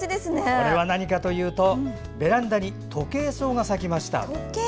これは何かというとベランダにトケイソウが咲きました。